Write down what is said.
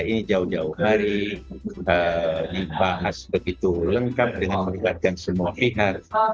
ini jauh jauh hari dibahas begitu lengkap dengan melibatkan semua pihak